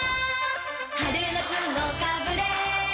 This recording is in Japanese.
春夏のかぶれ。